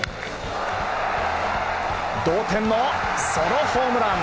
同点のソロホームラン。